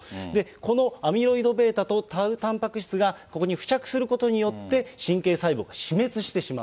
このアミロイドβとタウたんぱく質がここに付着することによって、神経細胞が死滅してしまう。